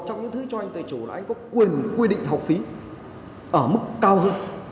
anh có quyền quy định học phí ở mức cao hơn